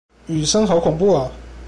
雨聲好恐怖啊！